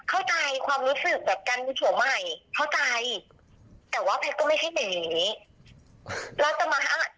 เข้าใจความรู้สึกแบบกันทั่วใหม่เข้าใจแต่ว่าแพทก็ไม่ใช่แบบนี้